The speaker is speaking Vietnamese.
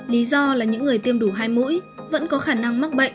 lý do là những người tiêm đủ hai mũi vẫn có khả năng mắc mất tiêm